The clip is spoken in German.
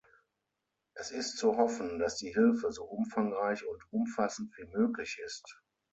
Es ist zu hoffen, dass die Hilfe so umfangreich und umfassend wie möglich ist.